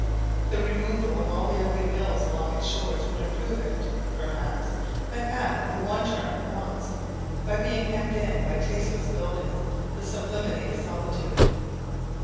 The removal of all the ugly mills along its shores would improve it, perhaps, and add the one charm it wants, by being hemmed in by tasteless buildings, the sublimity of solitude.